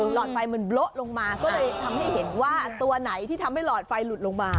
หลอดไฟมันโบ๊ะลงมาก็เลยทำให้เห็นว่าตัวไหนที่ทำให้หลอดไฟหลุดลงมา